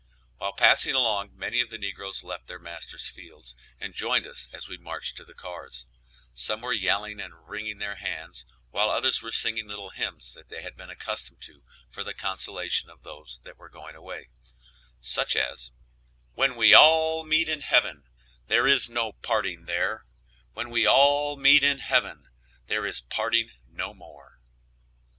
While passing along many of the negroes left their masters' fields and joined us as we marched to the cars; some were yelling and wringing their hands, while others were singing little hymns that they had been accustomed to for the consolation of those that were going away, such as "When we all meet in heaven, There is no parting there; When we all meet in heaven, There is parting no more."